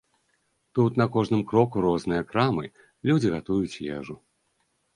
Тут на кожным кроку розныя крамы, людзі гатуюць ежу.